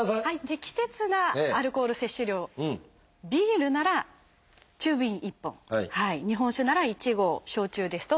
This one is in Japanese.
適切なアルコール摂取量ビールなら中瓶１本日本酒なら１合焼酎ですと１１０ｍＬ。